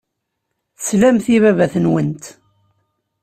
Teslamt i baba-twent.